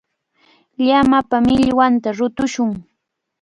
Llamapa millwanta rutushun.